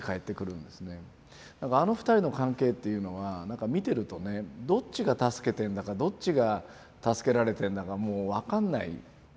なんかあの二人の関係っていうのはなんか見てるとねどっちが助けてんだかどっちが助けられてんだかもう分かんない。